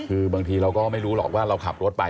คือบางทีเราก็ไม่รู้หรอกว่าเราขับรถไป